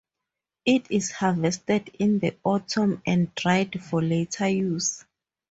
It is harvested in the autumn and dried for later use.